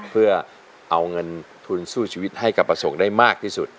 เพื่อเอาเงินทุนสู้ชีวิตให้กับประสงค์ได้มากที่สุด